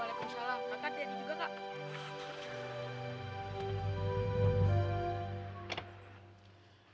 waalaikumsalam kakak nanti juga kak